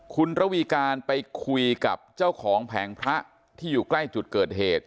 คุณระวีการไปคุยกับเจ้าของแผงพระที่อยู่ใกล้จุดเกิดเหตุ